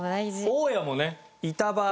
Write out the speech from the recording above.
大家もねいた場合。